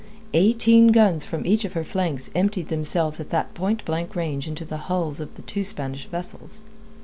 Eighteen guns from each of her flanks emptied themselves at that point blank range into the hulls of the two Spanish vessels.